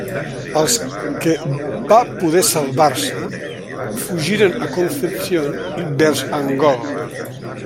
Els que va poder salvar-se fugiren a Concepción i vers Angol.